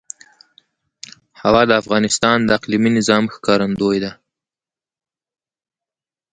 هوا د افغانستان د اقلیمي نظام ښکارندوی ده.